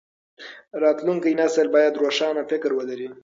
راتلونکی نسل بايد روښانه فکر ولري.